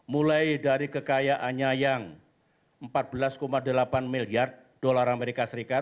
mulai dari kekayaannya yang empat belas delapan miliar dolar amerika serikat